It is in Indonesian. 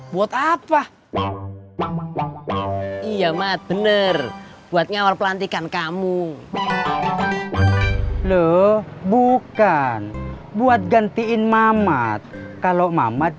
buat apa iya mah bener buatnya war pelantikan kamu loh bukan buat gantiin mamat kalau mamat